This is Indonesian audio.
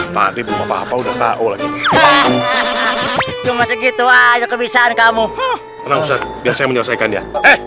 padatnya mau tahu lagi cuma segitu aja kebisaan kamu biasa menyelesaikan ya